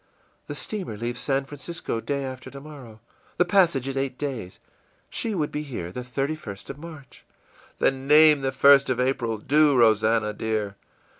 î ìThe steamer leaves San Francisco day after tomorrow. The passage is eight days. She would be here the 31st of March.î ìThen name the 1st of April; do, Rosannah, dear.